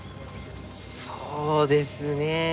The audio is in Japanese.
そうですね。